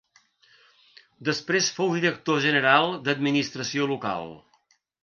Després fou director general d'Administració Local.